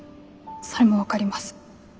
それも分かります。